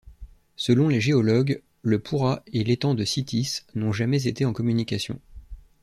Selon les géologues, Le Pourra et l'étang de Citis n'ont jamais été en communication.